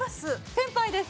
先輩です。